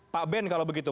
pak ben kalau begitu